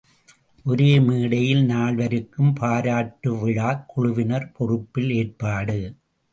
ஒரே மேடையில் நால்வருக்கும் பாராட்டுவிழா விழாக் குழுவினர் பொறுப்பில் ஏற்பாடு!